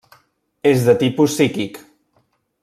És de tipus psíquic.